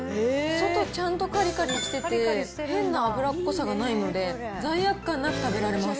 外、ちゃんとかりかりしてて、変な油っぽさがないので、罪悪感なく食べられます。